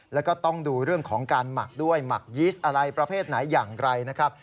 แล้วก็ต้องดูเรื่องของการหมักด้วยหมักยีสอะไรประเภทไหนอย่างไรนะครับ